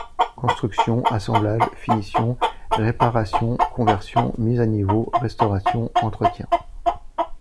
Construction, assemblage, finition, réparation, conversion, mise à niveau, restauration, entretien...